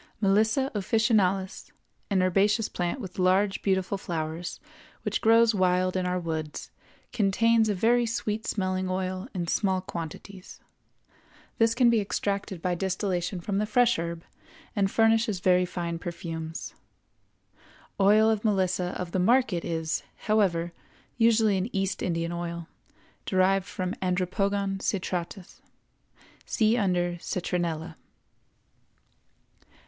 Melissa officinalis, an herbaceous plant with large, beautiful flowers, which grows wild in our woods, contains a very sweet smelling oil in small quantities. This can be extracted by distillation from the fresh herb, and furnishes very fine perfumes. Oil of Melissa of the market is, however, usually an East Indian oil, derived from Andropogon citratus. See under Citronella.